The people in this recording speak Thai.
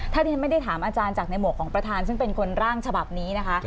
ถ้าที่ฉันไม่ได้ถามอาจารย์จากในหมวกของประธานซึ่งเป็นคนร่างฉบับนี้นะคะ